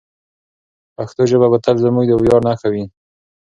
پښتو ژبه به تل زموږ د ویاړ نښه وي.